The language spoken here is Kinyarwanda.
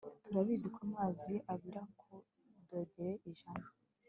Turabizi ko amazi abira kuri dogere ijana